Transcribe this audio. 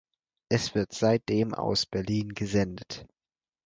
Es wird seitdem aus Berlin gesendet.